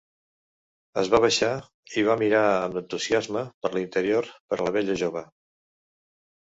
Es va baixar, i va mirar amb entusiasme per l'interior per a la bella jove.